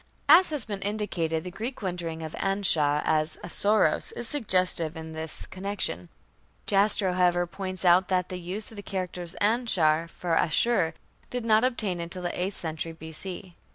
As has been indicated, the Greek rendering of Anshar as "Assoros", is suggestive in this connection. Jastrow, however, points out that the use of the characters Anshar for Ashur did not obtain until the eighth century B.C.